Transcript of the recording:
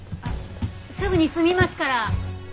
すぐに済みますから。